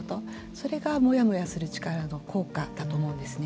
それがモヤモヤする力の効果だと思うんですね。